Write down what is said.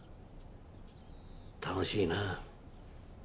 楽しいな。